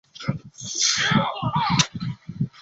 最早针对死亡人数的调查开始于地震发生后不久。